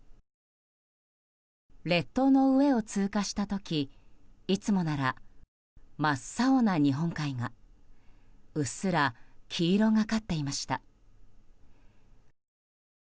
列島の上を通過した時いつもなら真っ青な日本海がうっすら黄色がかっていました。